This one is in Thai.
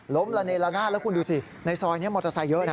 ระเนละนาดแล้วคุณดูสิในซอยนี้มอเตอร์ไซค์เยอะนะ